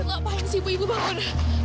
ibu ngapain sih ibu bangun